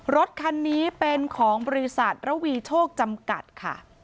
รถคันนี้เป็นของบริษัทระวีโชคจำกัดค่ะ